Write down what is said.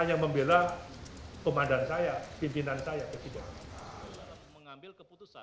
saya yang membela pemadam saya pimpinan saya